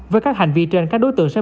với các hành vi trên các đối tượng sẽ